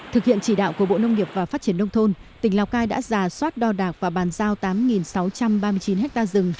thực hiện chỉ đạo của bộ nông nghiệp và phát triển nông thôn tỉnh lào cai đã giả soát đo đạc và bàn giao tám sáu trăm ba mươi chín ha rừng